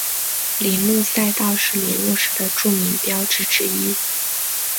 铃鹿赛道是铃鹿市的著名标志之一。